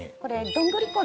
どんぐり粉？